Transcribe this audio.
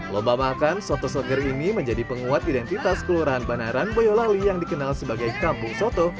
lomba makan soto soger ini menjadi penguat identitas kelurahan banaran boyolali yang dikenal sebagai kampung soto